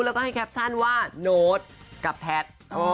แล้วก็ให้แคปชั่นว่าโน้ตกับแพทย์